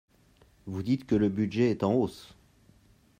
Vous dites que le budget est en hausse.